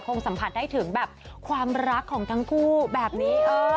สัมผัสได้ถึงแบบความรักของทั้งคู่แบบนี้